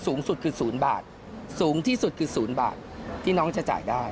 สูงสุดคือ๐บาทสูงที่สุดคือ๐บาทที่น้องจะจ่ายได้